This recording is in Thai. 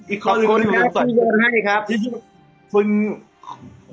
อีกข้อหนึ่งก็ไม่รู้สึก